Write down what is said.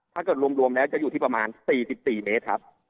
รวมแล้วจะอยู่ที่ประมาณ๔๔เมตรครับ